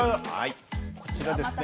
こちらですね